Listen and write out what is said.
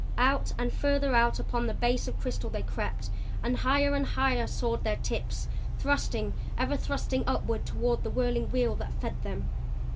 Out and further out upon the base of crystal they crept. And higher and higher soared their tips, thrusting, ever thrusting upward toward the whirling wheel that fed them.